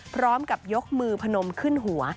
พร้อมกับยกมือพนมขึ้นหัว